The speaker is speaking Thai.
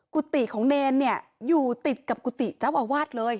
กุฏิของเนรเนี่ยอยู่ติดกับกุฏิเจ้าอาวาสเลย